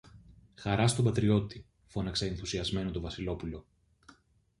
Χαρά στον πατριώτη φώναξε ενθουσιασμένο το Βασιλόπουλο.